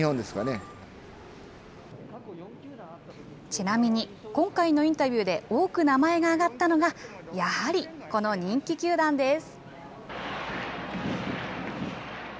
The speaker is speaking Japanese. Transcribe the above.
ちなみに、今回のインタビューで多く名前が挙がったのが、やはりこの人気球団です。